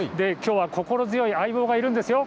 きょうは心強い相棒がいます。